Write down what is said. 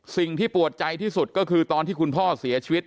สิ่งที่ปวดใจที่สุดก็คือตอนที่คุณพ่อเสียชีวิต